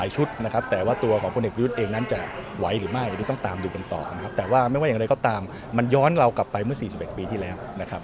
ซึ่งเรากลับไปเมื่อ๔๑ปีที่แล้ว